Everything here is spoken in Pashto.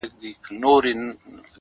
• غوږ یې ونیوی منطق د زورور ته,